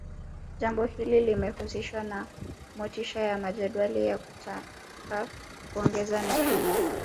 Jambo hili limehusishwa na motisha ya majedwali ya kutaka kuongeza nukuu